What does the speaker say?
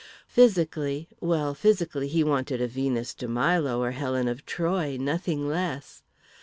Physically well, physically he wanted a Venus de Milo or Helen of Troy, nothing less.